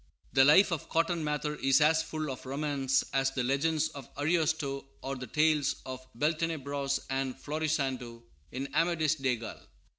The life of Cotton Mather is as full of romance as the legends of Ariosto or the tales of Beltenebros and Florisando in Amadis de Gaul.